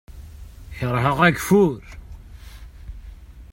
Kerheɣ ageffur.